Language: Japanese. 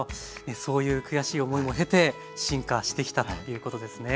そういう悔しい思いも経て進化してきたということですね。